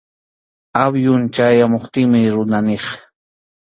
Awyun chayamuptintaqmi runa niq.